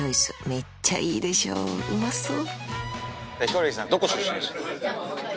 めっちゃいいでしょうまそう！